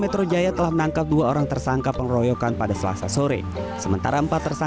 kalau untuk komunikasi alhamdulillah ya